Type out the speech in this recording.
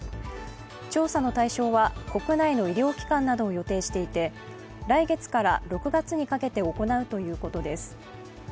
調査の対象は国内の医療機関などを予定していて、来月から６月にかけて行うということです。